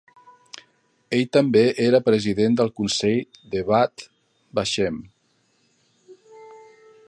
Ell també era president del consell de Yad Vashem.